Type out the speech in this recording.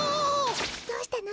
どうしたの？